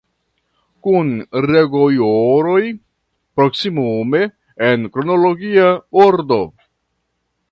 Kun rego-joroj; proksimume en kronologia ordo.